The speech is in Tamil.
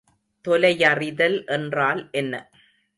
தொலையறிதல் என்றால் என்ன?